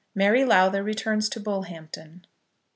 MARY LOWTHER RETURNS TO BULLHAMPTON.